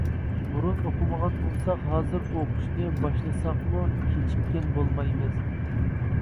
بۇرۇن ئوقۇمىغان بولساق ھازىر ئوقۇشنى باشلىساقمۇ كېچىككەن بولمايمىز.